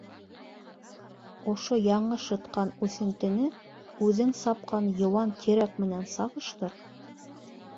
— Ошо яңы шытҡан үҫентене үҙең сапҡан йыуан тирәк менән сағыштыр.